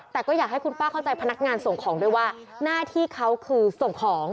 แต่ก็อยากให้คุณป้าเข้าใจพนักงานส่งของด้วยว่าหน้าที่เขาคือส่งของ